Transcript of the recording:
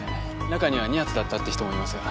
中には２発だったって人もいますが。